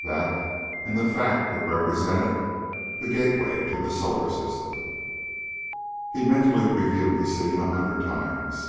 That and the fact that it represented the gateway to the Solar System. He mentally reviewed the scene a hundred times.